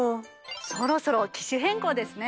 そろそろ機種変更ですね。